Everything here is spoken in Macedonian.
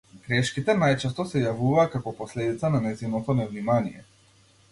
Грешките најчесто се јавуваа како последица на нејзиното невнимание.